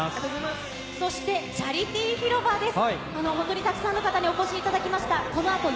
そして、チャリティー広場です。